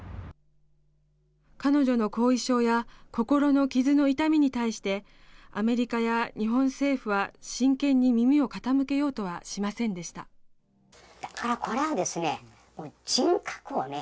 彼女の後遺症や心の傷の痛みに対してアメリカや日本政府は真剣に耳を傾けようとはしませんでしたこれはですね